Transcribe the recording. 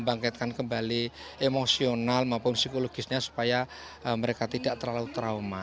membangkitkan kembali emosional maupun psikologisnya supaya mereka tidak terlalu trauma